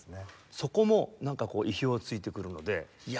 そこもなんかこう意表を突いてくるのでいや